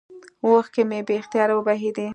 اوښکې مې بې اختياره وبهېدې.